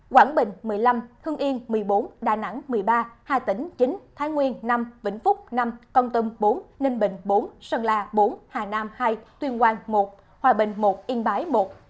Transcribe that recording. quảng bình một mươi năm hưng yên một mươi bốn đà nẵng một mươi ba hai tỉnh chín thái nguyên năm vĩnh phúc năm con tâm bốn ninh bình bốn sơn la bốn hà nam hai tuyên quang một hòa bình một yên bái một